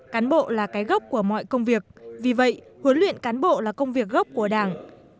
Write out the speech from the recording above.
cán bộ là cái gốc của mọi công việc vì vậy huấn luyện cán bộ là công việc gốc của đảng